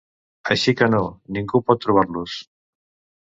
Així que no, ningú pot trobar-los!